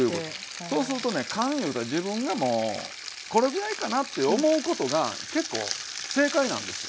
そうするとね勘いうて自分がもうこれぐらいかなって思うことが結構正解なんですよ。